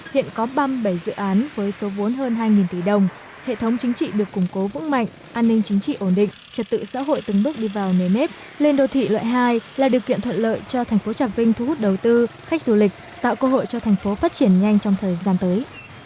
hiện có ba mươi bảy dự án với số vốn hơn hai tỷ đồng hệ thống chính trị được củng cố vững mạnh an ninh chính trị ổn định trật tự xã hội từng bước đi vào nề nếp lên đô thị loại hai là điều kiện thuận lợi cho thành phố trà vinh thu hút đầu tư khách du lịch tạo cơ hội cho thành phố phát triển nhanh trong thời gian tới